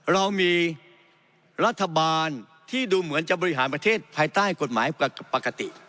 เรามีรัฐบาลที่ดูเหมือนจะบริหารประเทศภายใต้กฎหมายปกติ